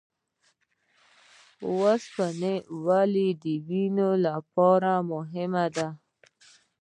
اوسپنه ولې د وینې لپاره مهمه ده؟